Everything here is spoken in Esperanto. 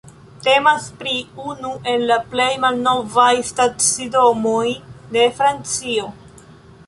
Temas pri unu el la plej malnovaj stacidomoj de Francio.